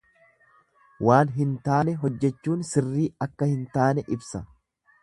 Waan hin taane hojjechuun sirrii akka hin taane ibsa.